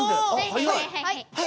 はい！